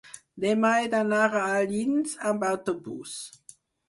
demà he d'anar a Alins amb autobús.